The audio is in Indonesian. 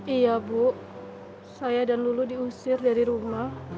iya bu saya dan lulu diusir dari rumah